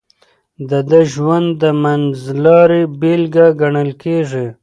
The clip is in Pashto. د ده ژوند د منځلارۍ بېلګه ګڼل کېږي.